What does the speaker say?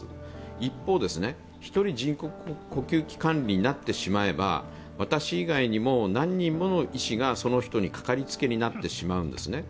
一方、１人でも人工呼吸器管理になれば、私以外にも何人もの医師がその人にかかりきりになってしまうんです。